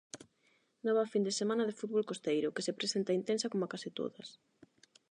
Nova fin de semana de fútbol costeiro, que se presenta intensa coma case todas.